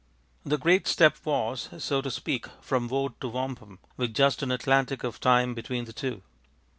The great step was, so to speak, from woad to wampum, with just an Atlantic of time between the two.